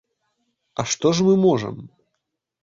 А што ж мы можам?